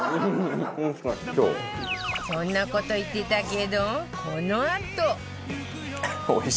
そんな事言ってたけどこのあと